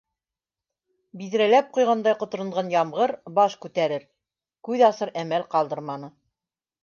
Биҙрәләп ҡойғандай ҡоторонған ямғыр баш күтәрер, күҙ асыр әмәл ҡалдырманы.